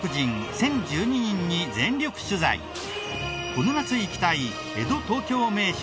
この夏行きたい江戸・東京名所